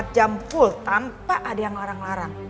dua puluh empat jam full tanpa ada yang ngelarang ngelarang